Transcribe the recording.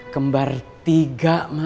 kembar tiga ma